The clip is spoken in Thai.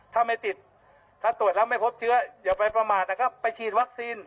ถ้าไม่ติดถ้าตรวจแล้วไม่พบเชื้ออย่าไปประมาทนะครับไปฉีดวัคซีน